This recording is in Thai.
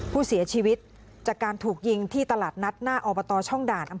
ผู้เสียชีวิตจากการถูกยิงที่ตลาดนัดหน้าอบตช่องด่าน